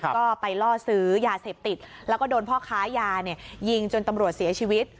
ก็ไปล่อซื้อยาเสพติดแล้วก็โดนพ่อค้ายายิงจนตำรวจเสียชีวิต